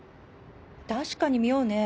確かに妙ね。